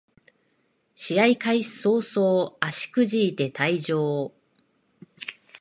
試合開始そうそう足くじいて退場